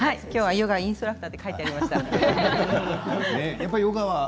ヨガインストラクターと書いてありました。